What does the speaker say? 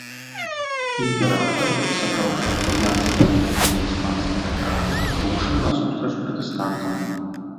Імператар, сабраўшы італьянскія, нямецкія і іспанскія атрады, рушыў насустрач пратэстантам.